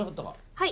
はい。